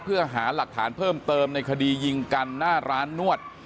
เพื่อหาหลักฐานเพิ่มเติมในคดียิงกันหน้าร้านนวด